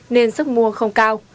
nên sức mua không cao